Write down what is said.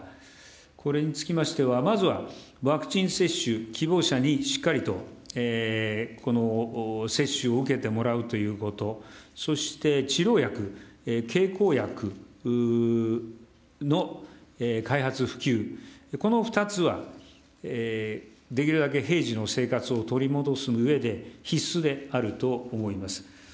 これにつきましては、まずはワクチン接種、希望者にしっかりと、接種を受けてもらうということ、そして、治療薬、経口薬の開発普及、この２つは、できるだけ平時の生活を取り戻すうえで、必須であると思います。